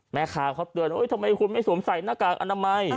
แม่ค้าเขาเตือนว่าทำไมคุณไม่สวมใส่หน้ากากอนามัย